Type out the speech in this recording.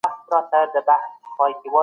تاریخ ته په نوې او رڼه سترګه وګورئ.